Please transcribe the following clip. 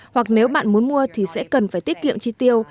hoặc nếu bạn muốn mua thì sẽ cần phải tiết kiệm chi tiêu